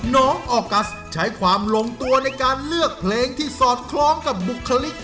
น้องออกัสใช้ความลงตัวในการเลือกเพลงที่สอดคล้องกับบุคลิก